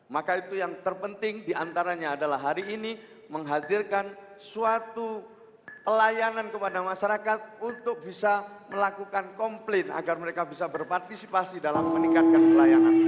maka itu yang terpenting diantaranya adalah hari ini menghadirkan suatu pelayanan kepada masyarakat untuk bisa melakukan komplain agar mereka bisa berpartisipasi dalam meningkatkan pelayanan